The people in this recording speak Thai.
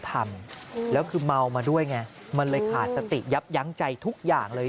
ทำแล้วคือเมามาด้วยไงมันเลยขาดสติยับยั้งใจทุกอย่างเลย